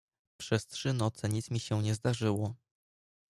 "Przez trzy noce nic mi się nie zdarzyło."